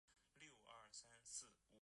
圣文森特和格林纳丁斯国徽为盾徽。